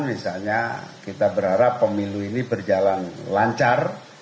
misalnya kita berharap pemilu ini berjalan lancar